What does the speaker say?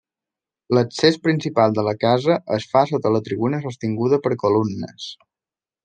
L'accés principal de la casa es fa sota la tribuna sostinguda per columnes.